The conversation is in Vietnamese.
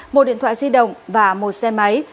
một điện thoại di động và một xe máy